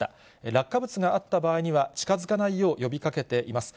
落下物があった場合には、近づかないよう呼びかけています。